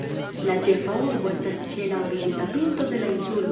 La ĉefa urbo estas ĉe la orienta pinto de la insulo.